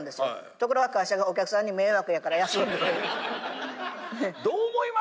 ところが会社が「お客さんに迷惑やから休んで」どう思います？